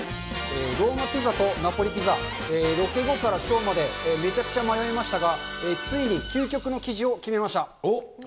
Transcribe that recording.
ローマピザとナポリピザ、ロケ後からきょうまでめちゃくちゃ迷いましたが、ついに究極の生地を決めました。